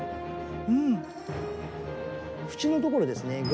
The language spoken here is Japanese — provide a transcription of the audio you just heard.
縁のところですね